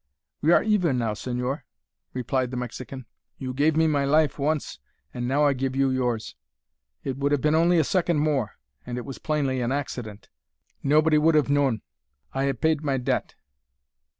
"We are even now, señor," replied the Mexican; "you gave me my life once, and now I give you yours. It would have been only a second more; and it was plainly an accident; nobody would have known. I have paid my debt."